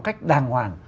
cách đàng hoàng